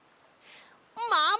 ママ！